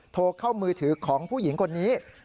โทรเข้ามือถือของผู้หญิงคนนี้